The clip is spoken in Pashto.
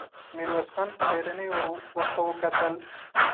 ميرويس خان په حيرانۍ ورته وکتل.